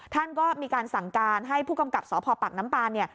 ท่านก็มีการสั่งการให้ผู้กำกับสพปากน้ำตาลเนี่ย